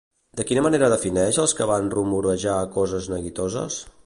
De quina manera defineix als que van rumorejar coses neguitoses?